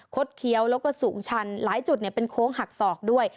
เคี้ยวแล้วก็สูงชันหลายจุดเป็นโค้งหักศอกด้วย